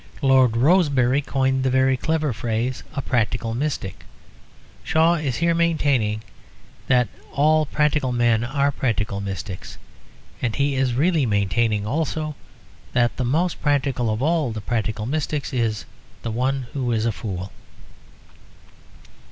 Lord Rosebery coined the very clever phrase "a practical mystic." Shaw is here maintaining that all practical men are practical mystics. And he is really maintaining also that the most practical of all the practical mystics is the one who is a fool.